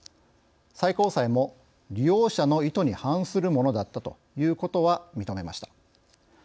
最高裁も利用者の意図に反するものだったということは認めました。